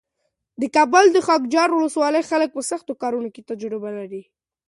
د کابل د خاکجبار ولسوالۍ خلک په سختو کارونو کې تجربه لري.